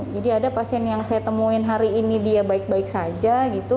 jadi ada pasien yang saya temuin hari ini dia baik baik saja